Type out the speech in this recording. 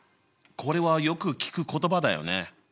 これはよく聞く言葉だよね？